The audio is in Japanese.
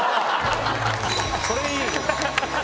それいい！